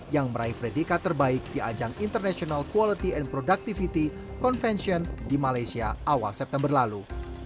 yang meraih predikat terbaik di ajang international quality and productivity convention di malaysia awal september lalu